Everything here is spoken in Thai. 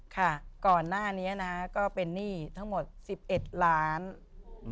ค่ะก่อนหน้านี้นะก็เป็นหนี้ทั้งหมด๑๑ล้าน